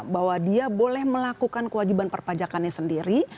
bahwa dia boleh melakukan kewajiban perpajakannya sendiri